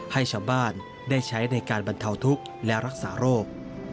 ให้ชาวบ้านได้ใช้ในการบรรเทาทุกข์และรักษาโรค